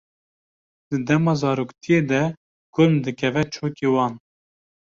Di dema zaroktiyê de kurm dikeve çokê wan.